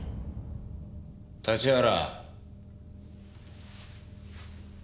立原。